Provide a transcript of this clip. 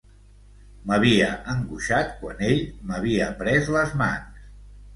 M'havia angoixat quan ell m'havia pres les mans.